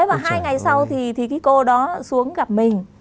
và hai ngày sau thì cái cô đó xuống gặp mình